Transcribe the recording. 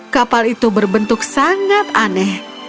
kapal itu berbentuk sangat aneh